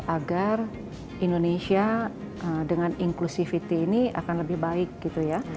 agar indonesia dengan inklusivity ini akan lebih baik gitu ya